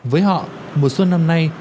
với họ mùa xuân năm nay